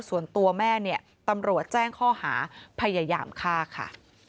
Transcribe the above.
ส่วนตัวแม่เนี่ยตำรวจแจ้งข้อหาพยายามฆ่าค่ะ